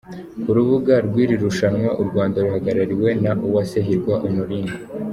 ku rubuga rw'iri rushanwa u Rwanda ruhagarariwe na Uwase Hirwa Honorine .